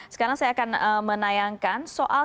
sekarang saya akan menayangkan soal